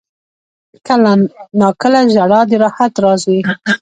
• کله ناکله ژړا د راحت راز وي.